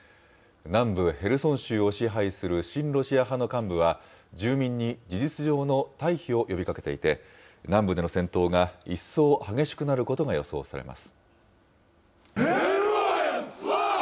南部ヘルソン州を支配する親ロシア派の幹部は住民に事実上の退避を呼びかけていて、南部での戦闘が一層激しくなることが予想されます。